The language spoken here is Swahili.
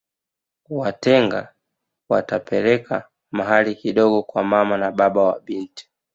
Watenga watapeleka mahari kidogo kwa mama na baba wa binti